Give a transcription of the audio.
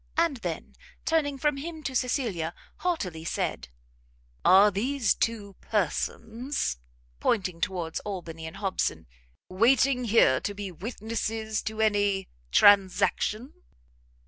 And then, turning from him to Cecilia, haughtily said, "Are these two persons," pointing towards Albany and Hobson, "waiting here to be witnesses to any transaction?"